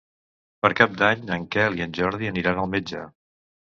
Per Cap d'Any en Quel i en Jordi aniran al metge.